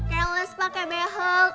kayak les pake behel